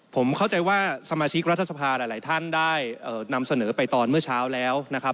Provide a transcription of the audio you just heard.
ผมเข้าใจว่าสมาชิกรัฐสภาหลายท่านได้นำเสนอไปตอนเมื่อเช้าแล้วนะครับ